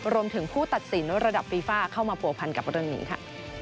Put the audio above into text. รวมถึงผู้ตัดสินระดับฟีฟ่าเข้ามาผัวพันกับเรื่องนี้ค่ะ